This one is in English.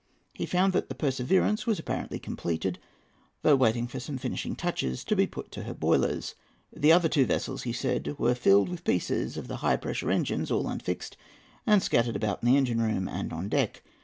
He found that the Perseverance was apparently completed, though waiting for some finishing touches to be put to her boilers. "The two other vessels," he said, "were filled with pieces of the high pressure engines, all unfixed, and scattered about in the engine room and on deck.